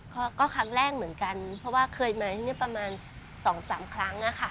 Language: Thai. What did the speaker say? ก็ครั้งแรกเหมือนกันเพราะว่าเคยมาที่นี่ประมาณ๒๓ครั้งอะค่ะ